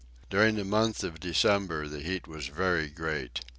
During the month of December, the heat was very great.